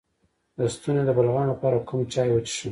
د ستوني د بلغم لپاره کوم چای وڅښم؟